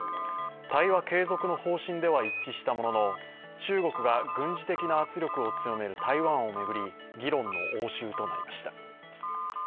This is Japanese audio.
対話継続の方針では一致したものの、中国が軍事的な圧力を強める台湾を巡り議論の応酬となりました。